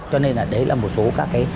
cho nên là đấy là một số các